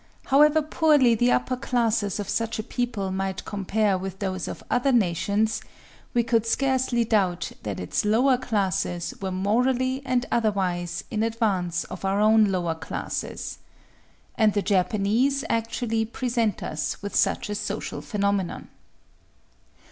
However poorly the upper classes of such a people might compare with those of other nations, we could scarcely doubt that its lower classes were morally and otherwise in advance of our own lower classes. And the Japanese actually present us with such a social phenomenon.